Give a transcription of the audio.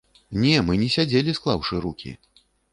Не, мы не сядзелі склаўшы рукі.